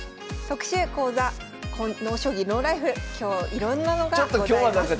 特集講座「ＮＯ将棋ＮＯＬＩＦＥ」今日いろんなのがございます。